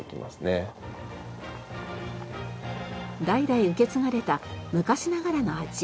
代々受け継がれた昔ながらの味。